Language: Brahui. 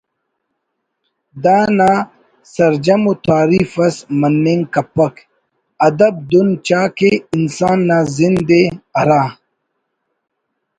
دانا سرجمو تعریف ئس مننگ کپک ادب دُن چاہ کہ انسان نا زند ئے ہرا